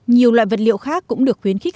nhiều loại vật liệu khác cũng được khuyến khích